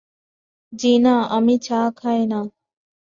জ্বি-না, আমি চা খাই না।